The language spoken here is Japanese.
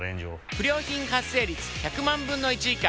不良品発生率１００万分の１以下。